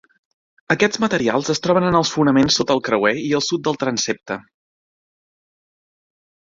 Aquests materials es troben en els fonaments sota el creuer i al sud del transsepte.